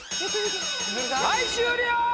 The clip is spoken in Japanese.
はい終了！